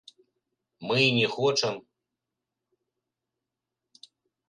Мы і не хочам.